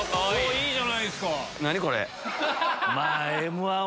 いいじゃないですか。